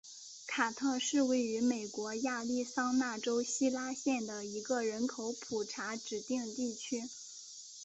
卡特是位于美国亚利桑那州希拉县的一个人口普查指定地区。